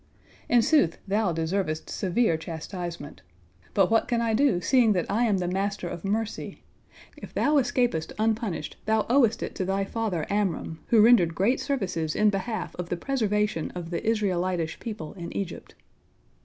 In sooth, thou deservest severe chastisement. But what can I do, seeing that I am the Master of mercy? If thou escapest unpunished, thou owest it to thy father Amram, who rendered great services in behalf of the preservation of the Israelitish people in Egypt."